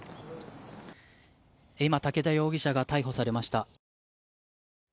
今、武田容疑者が逮捕されました。